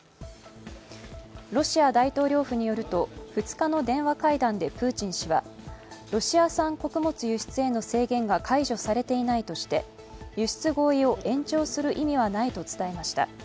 ロシア大統領府によると２日の電話会談でプーチン氏はロシア産穀物輸出への制限が解除されていないとして輸出合意を延長する意味はないと伝えました。